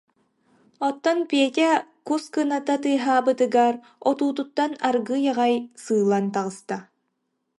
Оттон Петя кус кыната тыаһаабытыгар отуутуттан аргыый аҕай сыылан таҕыста